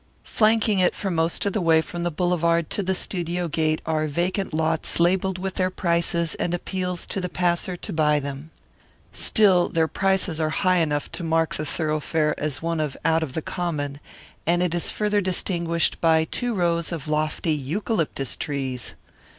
Flanking it for most of the way from the boulevard to the studio gate are vacant lots labelled with their prices and appeals to the passer to buy them. Still their prices are high enough to mark the thoroughfare as one out of the common, and it is further distinguished by two rows of lofty eucalyptus trees.